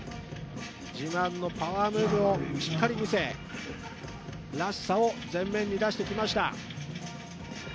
自慢のパワームーブをしっかり見せらしさを前面に出してきました。